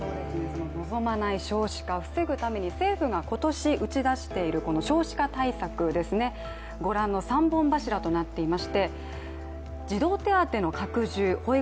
望まない少子化、防ぐために政府が今年打ち出している少子化対策ですが、ご覧の三本柱となっています。